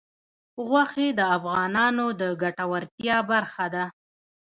غوښې د افغانانو د ګټورتیا برخه ده.